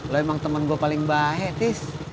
lo emang temen gue paling baik tiff